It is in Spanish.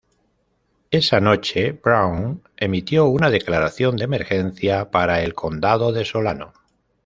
Esa noche, Brown emitió una declaración de emergencia para el condado de Solano.